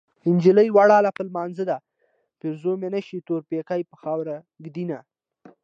نجلۍ ولاړه په لمانځه ده پېرزو مې نشي تور پيکی په خاورو ږدينه